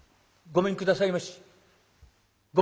ごめんくださいまし！」。